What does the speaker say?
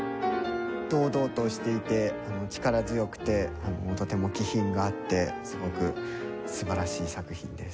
堂々としていて力強くてとても気品があってすごく素晴らしい作品です。